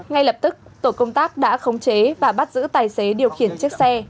ngay lập tức tổ công tác đã khống chế và bắt giữ tài xế điều khiển chiếc xe